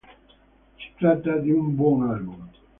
Si tratta di un buon album.